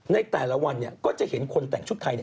ในแต่ละวันก็จะเห็นคนแต่งชุดไทย